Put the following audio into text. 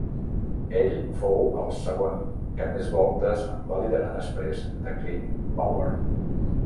Ell fou el segon que més voltes va liderar després de Clint Bowyer.